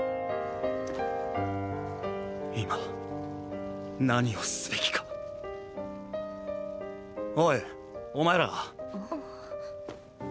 今何をすべきかおいお前ら。